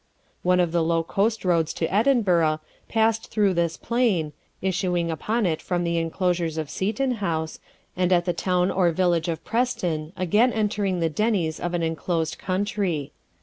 One of the low coastroads to Edinburgh passed through this plain, issuing upon it from the enclosures of Seaton House, and at the town or village of Preston again entering the denies of an enclosed country.